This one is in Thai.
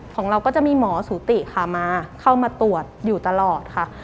ของเราก็จะมีหมอสูติค่ะมาเข้ามาตรวจอยู่ตลอดค่ะ